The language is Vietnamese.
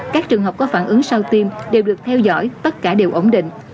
các trường hợp có phản ứng sau tiêm đều được theo dõi tất cả đều ổn định